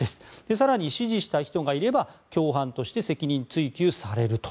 更に、指示した人がいれば共犯として責任追及されると。